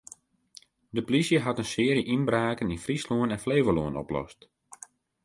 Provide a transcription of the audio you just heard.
De polysje hat in searje ynbraken yn Fryslân en Flevolân oplost.